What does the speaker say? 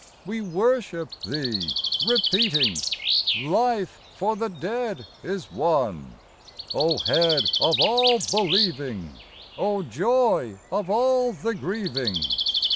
We worship Thee, repeating, Life for the dead is won ! O Head of all believing ! O Joy of all the grieving